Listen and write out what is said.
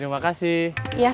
kamu nggak punya kue